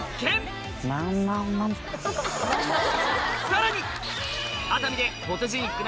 さらに！